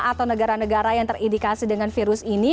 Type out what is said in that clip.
atau negara negara yang terindikasi dengan virus ini